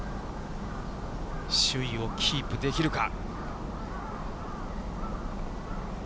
首位をキープできるか。